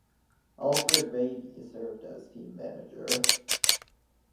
Alfred Ranney served as team manager.